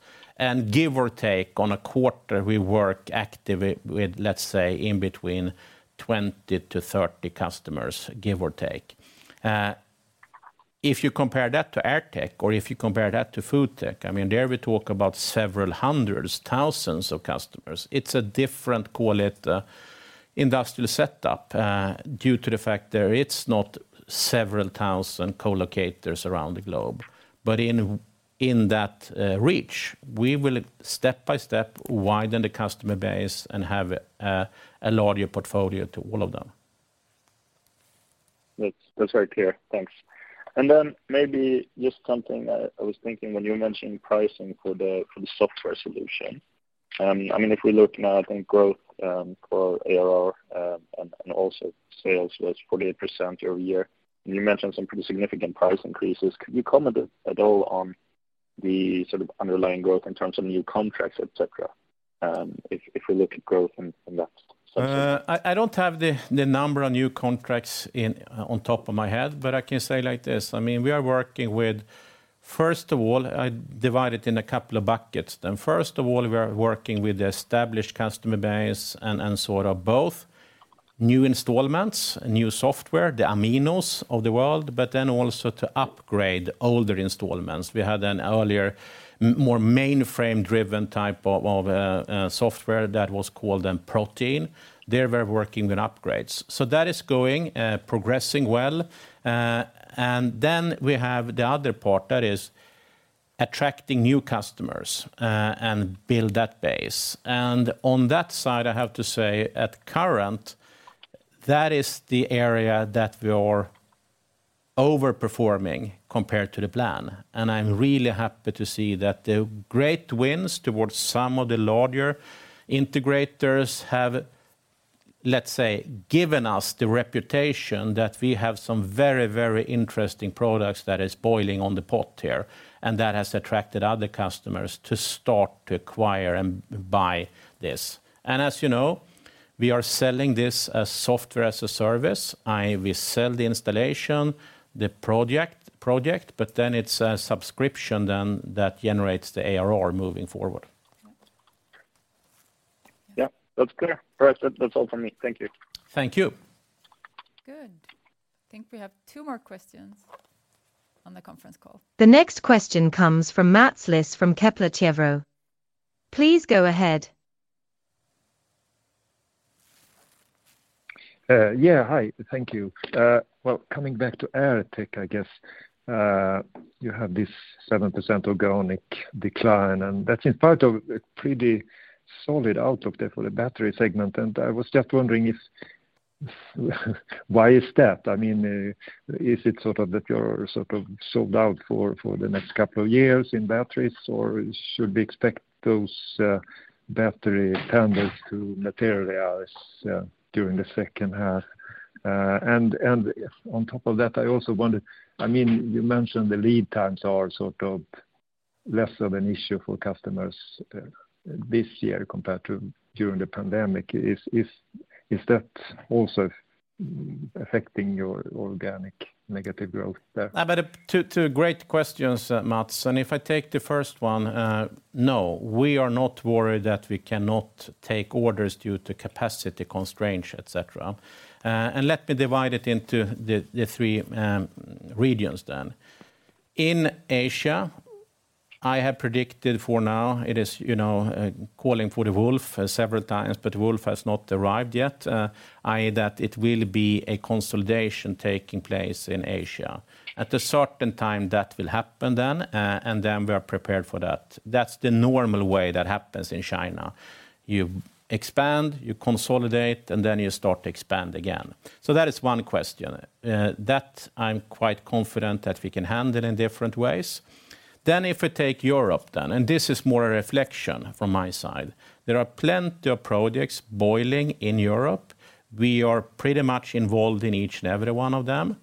Give or take on a quarter, we work actively with, let's say, in between 20 to 30 customers, give or take. If you compare that to AirTech or if you compare that to FoodTech, I mean, there we talk about several hundreds, thousands of customers. It's a different, call it, industrial setup, due to the fact that it's not several thousand colocators around the globe. In that reach, we will step by step widen the customer base and have a larger portfolio to all of them. That's very clear. Thanks. Then maybe just something, I was thinking when you mentioned pricing for the, for the software solution. I mean, if we look now at growth, for ARR, and also sales was 48% year-over-year, and you mentioned some pretty significant price increases. Could you comment at all on the sort of underlying growth in terms of new contracts, et cetera, if we look at growth in that sense? I don't have the number of new contracts in, on top of my head, but I can say like this: I mean, we are working with, first of all, I divide it in a couple of buckets. First of all, we are working with the established customer base and sort of both new installments, new software, the Aminos of the world, but then also to upgrade older installments. We had an earlier more mainframe-driven type of software that was called then Proton. There, we're working with upgrades. That is going progressing well. We have the other part that is attracting new customers and build that base. On that side, I have to say, at current, that is the area that we are overperforming compared to the plan. I'm really happy to see that the great wins towards some of the larger integrators have, let's say, given us the reputation that we have some very, very interesting products that is boiling on the pot here, and that has attracted other customers to start to acquire and buy this. As you know, we are selling this as Software as a Service. We sell the installation, the project, but then it's a subscription then that generates the ARR moving forward. Yeah, that's clear. All right, that's all for me. Thank you. Thank you. Good. I think we have two more questions on the conference call. The next question comes from Mats Liss from Kepler Cheuvreux. Please go ahead. Yeah. Hi, thank you. Well, coming back to AirTech, I guess. You have this 7% organic decline, and that's in part of a pretty solid for the battery segment. I was just wondering if, why is that? I mean, is it sort of that you're sort of sold out for the next couple of years in batteries, or should we expect those battery tenders to materialize during the second half? On top of that, I also wondered, I mean, you mentioned the lead times are sort of less of an issue for customers this year compared to during the pandemic. Is that also affecting your organic negative growth there? Two great questions, Mats. If I take the first one, no, we are not worried that we cannot take orders due to capacity constraints, et cetera. Let me divide it into the three regions then. In Asia, I have predicted for now it is, you know, calling for the wolf several times, but wolf has not arrived yet. I.e., that it will be a consolidation taking place in Asia. At a certain time, that will happen then, and then we are prepared for that. That's the normal way that happens in China. You expand, you consolidate, and then you start to expand again. That is one question. That I'm quite confident that we can handle in different ways. If we take Europe then, and this is more a reflection from my side, there are plenty of projects boiling in Europe. We are pretty much involved in each and every one of them.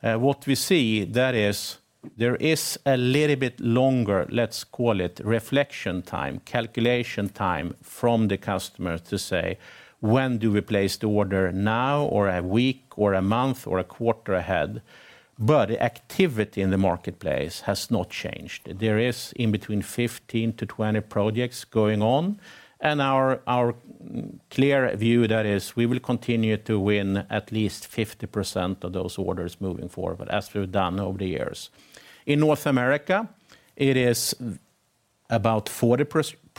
What we see, that is, there is a little bit longer, let’s call it, reflection time, calculation time from the customer to say, "When do we place the order? Now, or a week, or a month, or a quarter ahead?" Activity in the marketplace has not changed. There is in between 15-20 projects going on, and our clear view, that is, we will continue to win at least 50% of those orders moving forward, as we’ve done over the years. In North America, it is about 40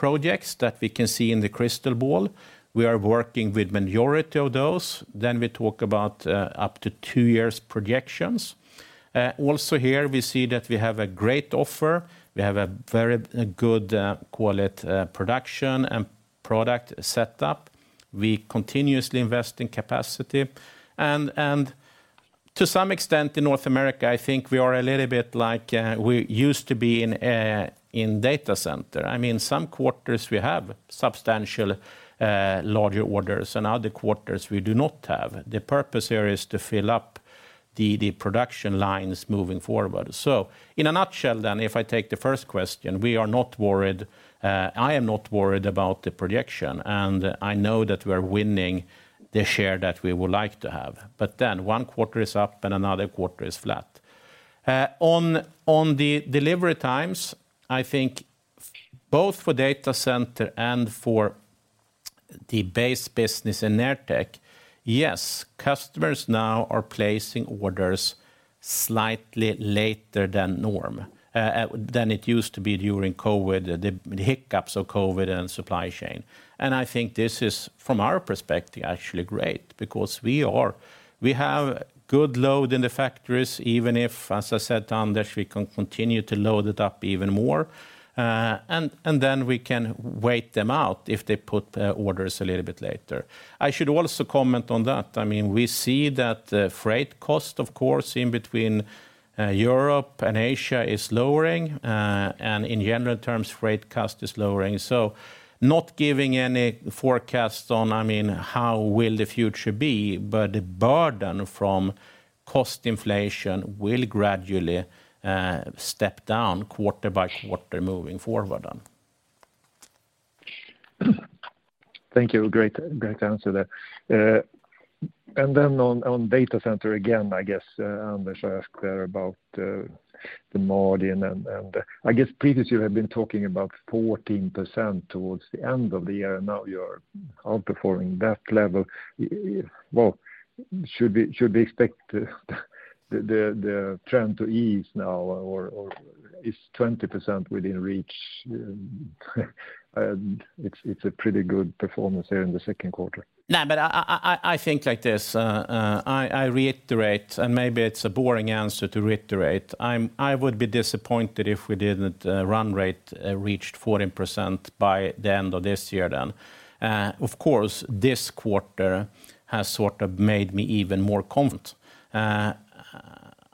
projects that we can see in the crystal ball. We are working with majority of those. We talk about up to two years projections. Also here, we see that we have a great offer. We have a very good, call it, production and product setup. We continuously invest in capacity. To some extent, in North America, I think we are a little bit like we used to be in data center. I mean, some quarters we have substantial larger orders, and other quarters we do not have. The purpose here is to fill up the production lines moving forward. In a nutshell, if I take the first question, we are not worried, I am not worried about the projection, and I know that we are winning the share that we would like to have. One quarter is up, and another quarter is flat. On the delivery times, I think both for data center and for the base business in AirTech, yes, customers now are placing orders slightly later than norm, than it used to be during COVID, the hiccups of COVID and supply chain. I think this is, from our perspective, actually great because we have good load in the factories, even if, as I said, Anders, we can continue to load it up even more, and then we can wait them out if they put orders a little bit later. I should also comment on that. I mean, we see that the freight cost, of course, in between Europe and Asia is lowering. In general terms, freight cost is lowering. Not giving any forecast on, I mean, how will the future be, but the burden from cost inflation will gradually step down quarter by quarter, moving forward. Thank you. Great answer there. Then on data center, again, I guess, Anders, I ask there about the margin and, I guess previously you have been talking about 14% towards the end of the year, and now you're outperforming that level. Well, should we expect the trend to ease now, or is 20% within reach? It's a pretty good performance there in the second quarter. No, I think like this, I reiterate, maybe it's a boring answer to reiterate, I would be disappointed if we didn't run rate reached 14% by the end of this year then. Of course, this quarter has sort of made me even more confident.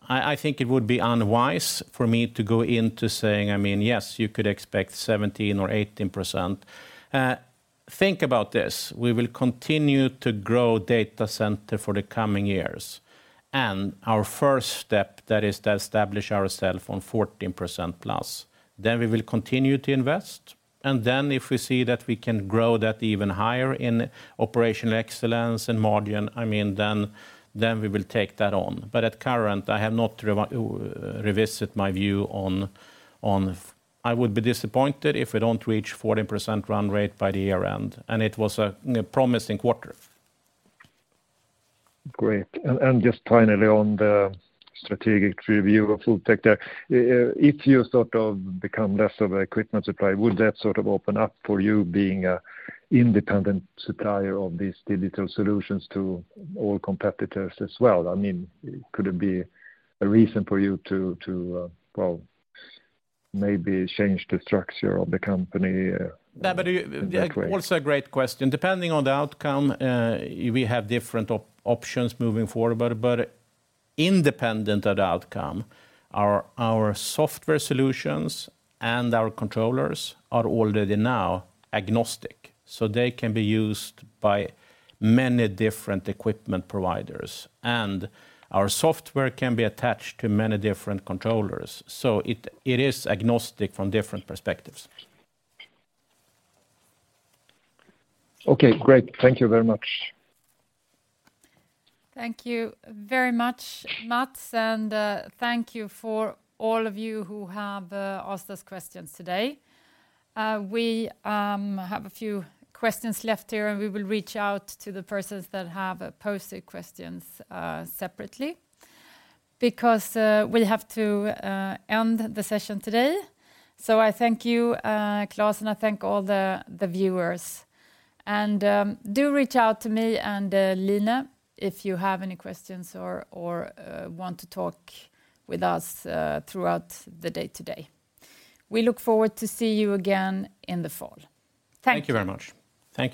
I think it would be unwise for me to go into saying, I mean, yes, you could expect 17% or 18%. Think about this: we will continue to grow data center for the coming years, our first step, that is to establish ourself on 14% plus. We will continue to invest, and then if we see that we can grow that even higher in operational excellence and margin, I mean, then we will take that on. At current, I have not revisit my view on. I would be disappointed if we don't reach 14% run rate by the year-end, and it was a promising quarter. Great. Just finally, on the strategic review of FoodTech there, if you sort of become less of an equipment supplier, would that sort of open up for you being a independent supplier of these digital solutions to all competitors as well? I mean, could it be a reason for you to, well, maybe change the structure of the company that way? No, but you... Yeah, also a great question. Depending on the outcome, we have different options moving forward, independent of the outcome, our software solutions and our controllers are already now agnostic, so they can be used by many different equipment providers. Our software can be attached to many different controllers, so it is agnostic from different perspectives. Okay, great. Thank you very much. Thank you very much, Mats, and thank you for all of you who have asked us questions today. We have a few questions left here, and we will reach out to the persons that have posted questions separately because we have to end the session today. I thank you, Klas, and I thank all the viewers. Do reach out to me and Lina if you have any questions or want to talk with us throughout the day today. We look forward to see you again in the fall. Thank you. Thank you very much. Thank you.